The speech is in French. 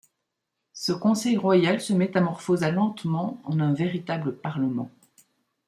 Ce Conseil royal se métamorphosa lentement en un véritable Parlement.